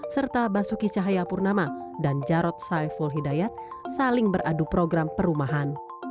serta basuki cahayapurnama dan jarod saiful hidayat saling beradu program perumahan